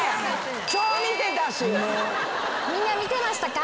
みんな見てましたか？